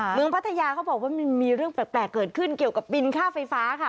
พัทยาเขาบอกว่ามันมีเรื่องแปลกเกิดขึ้นเกี่ยวกับบินค่าไฟฟ้าค่ะ